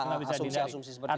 asumsi asumsi seperti itu